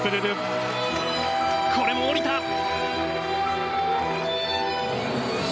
これも降りた！